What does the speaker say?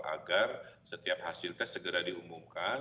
agar setiap hasil tes segera diumumkan